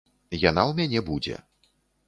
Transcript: Яна ў мяне будзе.